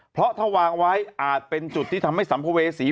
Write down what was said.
เพราะถ้าวางไว้อาจเป็นจุดที่ทำให้สัมภเวษี